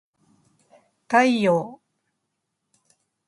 太陽